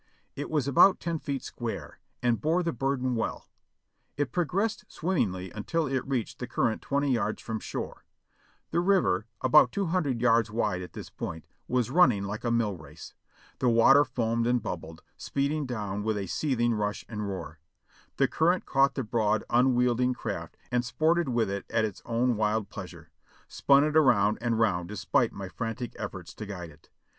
It was about ten feet square, and bore the burden well. It progressed swimmingly until it reached the current twenty yards from shore. The river, about two hundred yards wide at this point, was running like a mill race. The water foamed and bubbled, speeding down with a seething rush and roar. The current caught the broad, unwieldy craft and sported with it at its own wild pleasure ; spun it around and round despite my frantic ef forts to guide it.